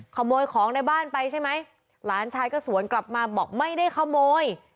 ขโมยของในบ้านไปใช่ไหมหลานชายก็สวนกลับมาบอกไม่ได้ขโมย